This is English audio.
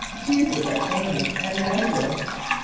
Jesus at Cana and Nazareth.